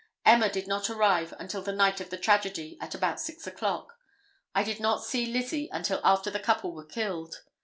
Emma did not arrive until the night of the tragedy at about 6 o'clock. I did not see Lizzie until after the couple were killed.